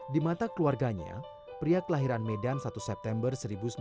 di mata keluarganya pria kelahiran medan satu september dua ribu tujuh belas